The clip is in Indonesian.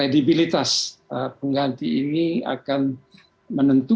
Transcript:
survival atau bahkan penerimaan yang baik atau tidak baik oleh rakyat sesendiri